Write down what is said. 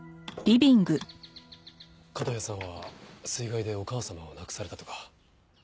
門谷さんは水害でお母様を亡くされたとか。